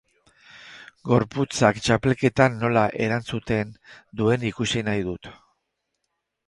Gorputzak txapelketan nola erantzuten duen ikusi nahi dut.